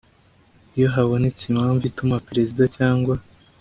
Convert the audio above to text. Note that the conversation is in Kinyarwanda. iyo habonetse impamvu ituma perezida cyangwa